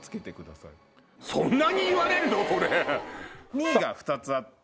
２位が２つあって。